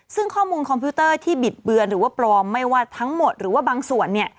ซึ่งข้อมูลคอมพิวเตอร์ที่บิดเบือนหรือว่าปลอมไม่ว่าทั้งหมดหรือว่าบางส่วน